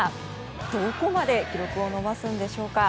どこまで記録を伸ばすのでしょうか。